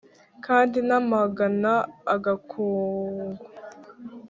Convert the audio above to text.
kandi namagana agakungu.